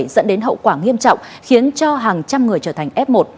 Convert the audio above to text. dẫn đến hậu quả nghiêm trọng khiến cho hàng trăm người trở thành f một